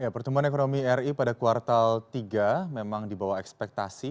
pertumbuhan ekonomi ri pada kuartal tiga memang dibawah ekspektasi